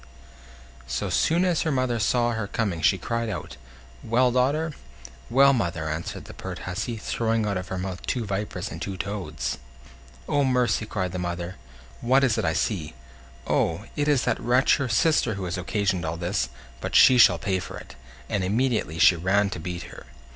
So soon as her mother saw her coming she cried out: "Well, daughter?" "Well, mother?" answered the pert hussy, throwing out of her mouth two vipers and two toads. "Oh! mercy," cried the mother; "what is it I see? Oh! it is that wretch her sister who has occasioned all this; but she shall pay for it"; and immediately she ran to beat her.